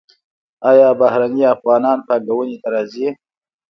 آیا بهرنی افغانان پانګونې ته راځي؟